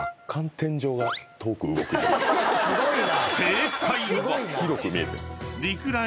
すごいな！